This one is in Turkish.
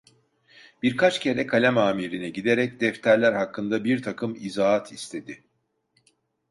Birkaç kere kalem âmirine giderek defterler hakkında birtakım izahat istedi.